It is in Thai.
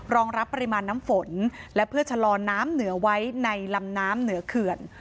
รองรับปริมาณน้ำฝนและเพื่อชะลอน้ำเหนือไว้ในลำน้ำเหนือเขื่อน